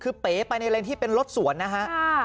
คือเป๋ไปในเลนที่เป็นรถสวนนะฮะ